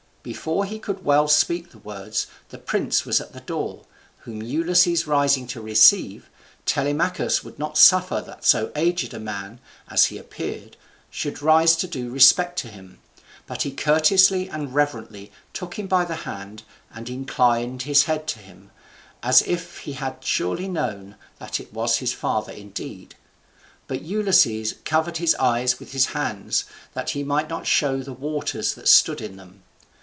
Before he could well speak the words, the prince was at the door, whom Ulysses rising to receive, Telemachus would not suffer that so aged a man, as he appeared, should rise to do respect to him, but he courteously and reverently took him by the hand, and inclined his head to him, as if he had surely known that it was his father indeed; but Ulysses covered his eyes with his hands, that he might not show the waters which stood in them.